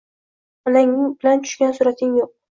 Onang bilan tushgan surating yo`q